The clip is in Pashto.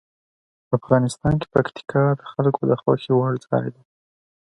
افغانستان کې پکتیکا د خلکو د خوښې وړ ځای دی.